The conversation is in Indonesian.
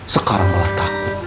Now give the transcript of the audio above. sekarang malah takut